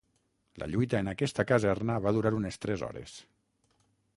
La lluita en aquesta caserna va durar unes tres hores.